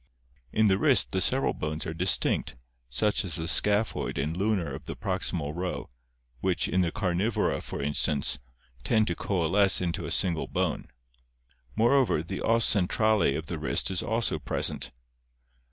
In the wrist the several bones are distinct, such as the scaphoid and lunar of the proximal row, which, in the Carnivora for instance, tend to coalesce into a single bone. Moreover, the os centrale of the wrist is also present.